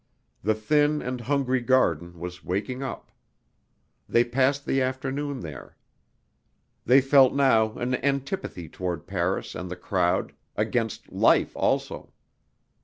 The thin and hungry garden was waking up. They passed the afternoon there. They felt now an antipathy toward Paris and the crowd, against life also.